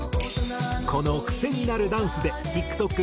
この癖になるダンスでＴｉｋＴｏｋ